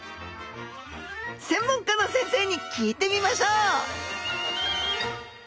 専門家の先生に聞いてみましょう！